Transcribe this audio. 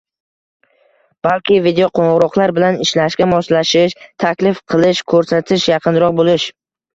balki videoqoʻngʻiroqlar bilan ishlashga moslashish, taklif qilish, koʻrsatish, yaqinroq boʻlish